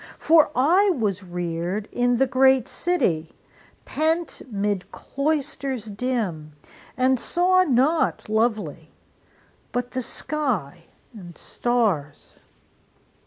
For I was reared In the great city, pent 'mid cloisters dim, And saw nought lovely but the sky and stars.